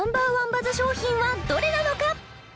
バズ商品はどれなのか？